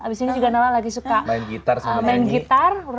di sini juga nala lagi suka main gitar